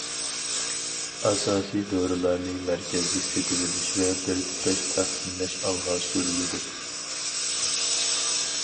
ئاساسىي دورىلارنى مەركەزلىك سېتىۋېلىش ۋە بىرتۇتاش تەقسىملەش ئالغا سۈرۈلىدۇ.